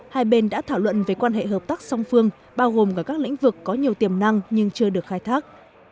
hai bên đã thảo luận về quan hệ hợp tác song phương bao gồm cả các lĩnh vực có nhiều tiềm năng nhưng chưa được khai thác